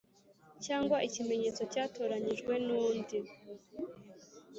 Cyangwa ikimenyetso cyatoranyijwe n undi